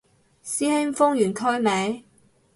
師兄封完區未